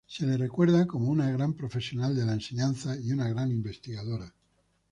Se le recuerda como una gran profesional de la enseñanza y una gran investigadora.